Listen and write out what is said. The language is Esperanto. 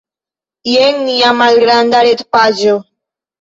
Jen nia malgranda retpaĝo.